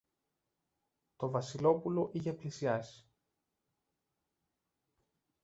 Το Βασιλόπουλο είχε πλησιάσει